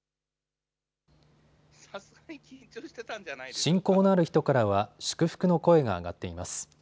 親交のある人からは祝福の声が上がっています。